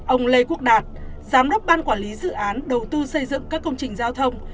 ông lê quốc đạt giám đốc ban quản lý dự án đầu tư xây dựng các công trình giao thông